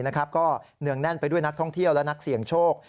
ก็เนื่องแน่นไปด้วยนักท่องเที่ยวและนักเสี่ยงโชค